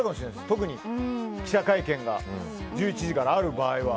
特に記者会見が１１時からある場合は。